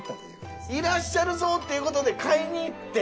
いらっしゃるぞということで買いに行って。